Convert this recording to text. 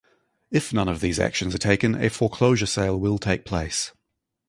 If none of these actions are taken, a foreclosure sale will take place.